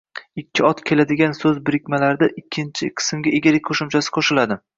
ikki ot keladigan soʻz birikmalarida ikkinchi qismga egalik qoʻshimchasi qoʻshiladi